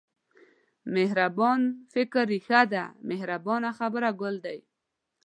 مهربان فکر رېښه ده مهربانه خبره ګل دی.